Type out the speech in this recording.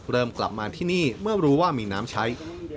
เริ่มกลับมาที่นี่เมื่อรู้ว่ามีน้ำใช้